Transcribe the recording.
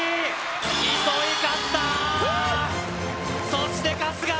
そして春日